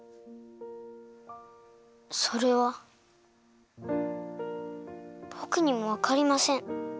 それはぼくにもわかりません。